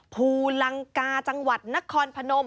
ภูลังกาจังหวัดนครพนม